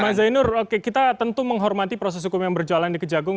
mas zainur kita tentu menghormati proses hukum yang berjalan di kejagung